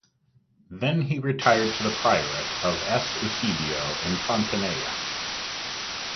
Then he retired to the priorate of S. Eusebio in Fontanella.